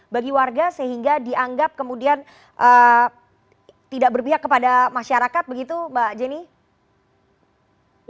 bagi warga sehingga dianggap kemudian tidak berpihak kepada masyarakat begitu mbak jenny